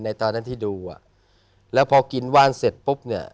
ตอนนั้นที่ดูอ่ะแล้วพอกินว่านเสร็จปุ๊บเนี่ย